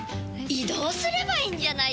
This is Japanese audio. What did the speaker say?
移動すればいいんじゃないですか？